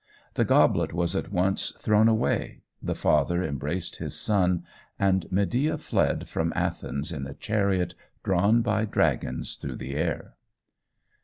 The goblet was at once thrown away, the father embraced his son, and Medea fled from Athens in a chariot drawn by dragons through the air.